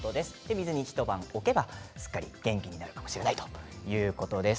水に一晩置けばすっかり元気になるかもしれないということです。